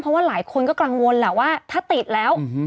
เพราะว่าหลายคนก็กังวลแหละว่าถ้าติดแล้ว